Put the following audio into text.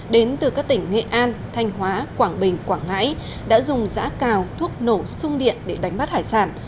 đến từ các tỉnh nghệ an thanh hóa quảng bình quảng ngãi đã dùng giã cào thuốc nổ sung điện để đánh bắt hải sản